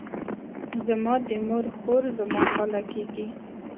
زما د مور خور، زما خاله کیږي.